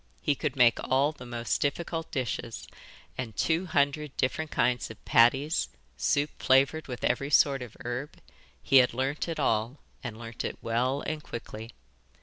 He could make all the most difficult dishes, and two hundred different kinds of patties, soup flavoured with every sort of herb he had learnt it all, and learnt it well and quickly.